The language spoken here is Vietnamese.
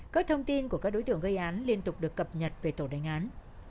các thông tin của các đối tượng gây án liên tục được cập nhật về tổ đánh án